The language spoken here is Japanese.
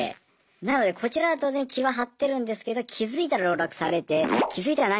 なのでこちらは当然気は張ってるんですけど気づいたら籠絡されて気づいたら何か不正をしてたみたいな。